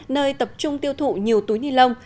nơi tập trung tiêu thụ nhiều túi nilon